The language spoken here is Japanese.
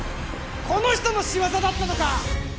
この人の仕業だったのか！